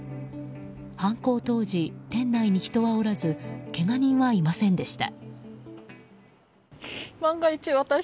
犯行当時、店内に人はおらずけが人はいませんでした。